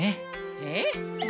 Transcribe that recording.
ええ。